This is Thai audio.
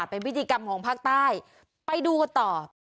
เป็นพิธีกรรมของภาคใต้ไปดูกันต่อ